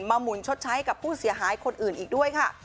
หมุนชดใช้กับผู้เสียหายคนอื่นอีกด้วยค่ะ